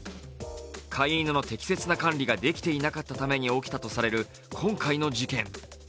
飼い犬の適切な管理ができていなかったために起きたとされる今回の事故。